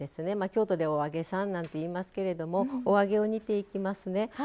京都ではお揚げさんなんていいますけれどもお揚げを煮ていきますね。